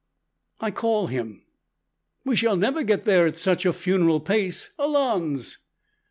I call him we shall never get there at such a funeral pace. Allons!